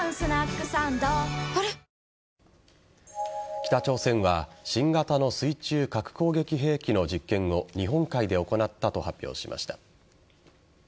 北朝鮮は新型の水中核攻撃兵器の実験を日本海で行ったと発表しました。